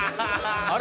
あれ？